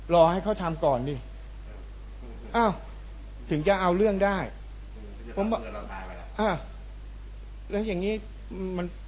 รอให้เขาทำก่อนดิถึงจะเอาเรื่องได้อ่ะแล้วอย่างงี้มัน